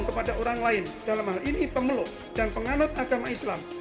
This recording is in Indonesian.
kepada orang lain dalam hal ini pemeluk dan penganut agama islam